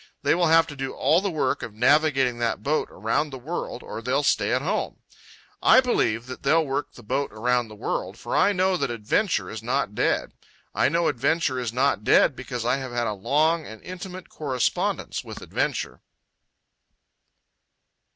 They will have to do all the work of navigating that boat around the world, or they'll stay at home. I believe that they'll work the boat around the world, for I know that Adventure is not dead. I know Adventure is not dead because I have had a long and intimate correspondence with Adventure.